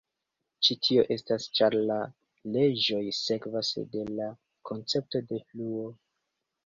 Ĉi tio estas ĉar la leĝoj sekvas de la koncepto de fluo.